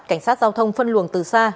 cảnh sát giao thông phân luồng từ xa